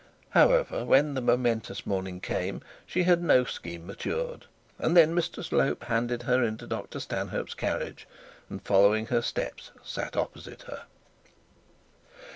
However, when the momentous morning came she had no scheme matured, and then Mr Slope handed her into Dr Stanhope's carriage, and following her steps, sat opposite to her.